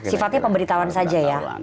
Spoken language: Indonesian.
sifatnya pemberitahuan saja ya